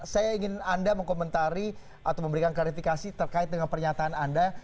saya ingin anda mengkomentari atau memberikan klarifikasi terkait dengan pernyataan anda